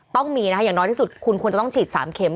ต้องมีนะคะอย่างน้อยที่สุดคุณควรจะต้องฉีด๓เม็